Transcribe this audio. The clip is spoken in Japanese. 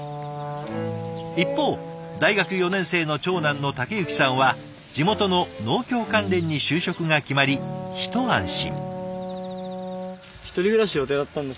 一方大学４年生の長男の武侑さんは地元の農協関連に就職が決まり一安心。